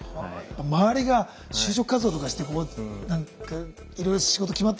周りが就職活動とかしていろいろ仕事決まっていったりとかする。